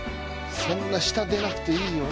そんな舌出なくていいよ。